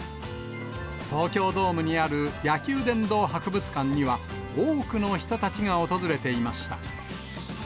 東京ドームにある野球殿堂博物館には、多くの人たちが訪れていました。